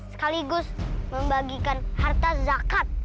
sekaligus membagikan harta zakat